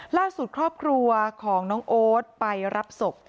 ล่าสุดครอบครัวของน้องโอ๊ตไปรับศพ